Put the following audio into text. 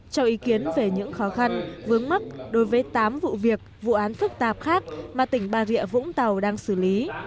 cho ý kiến về những khó khăn vướng mắt đối với tám vụ việc vụ án phức tạp khác mà tỉnh bà rịa vũng tàu đang xử lý